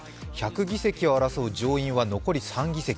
１００議席を争う上院は残り３議席。